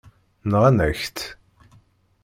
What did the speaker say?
Nɣan-ak-tt.